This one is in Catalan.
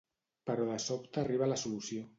Però de sobte arriba la solució.